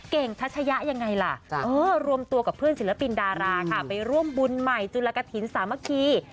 ทัชยะยังไงล่ะรวมตัวกับเพื่อนศิลปินดาราค่ะไปร่วมบุญใหม่จุลกฐินสามัคคี